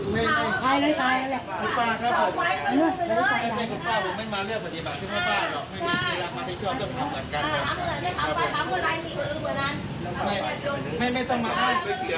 เข้ามาจากเกี่ยวกับมัน